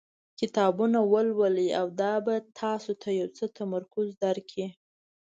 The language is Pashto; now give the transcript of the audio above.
کتابونه ولولئ او دا به تاسو ته یو څه تمرکز درکړي.